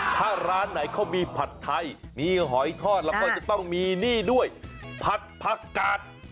ถ้าร้านไหนเขามีผัดไทยมีหอยทอดแล้วก็จะต้องมีนี่ด้วยผัดผักกาด